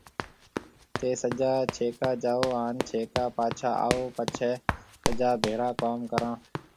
ٿَي سجا ڇيڪا جاو هانَ ڇيڪا پاچها آو پڇيَ سجا ڀيڙا ڪوم ڪرون۔